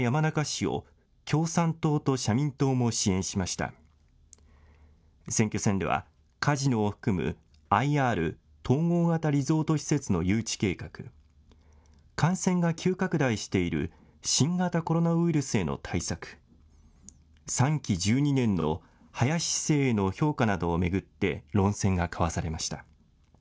今回の選挙戦では、カジノを含むＩＲ・統合型リゾート施設の誘致計画、感染が急拡大している新型コロナウイルスへの対策、３期１２年の林市政への評価などを巡って、論戦が交わされました。